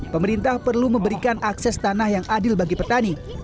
pemerintah perlu memberikan akses tanah yang adil bagi petani